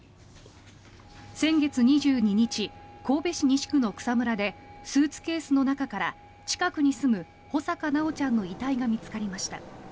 先月２２日神戸市西区の草むらでスーツケースの中から近くに住む穂坂修ちゃんの遺体が見つかりました。